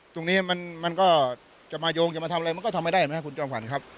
ตรงนี้มันก็จะมาโยงจะมาทำอะไรมันก็ทำไม่ได้เห็นไหมครับคุณจอมขวัญครับ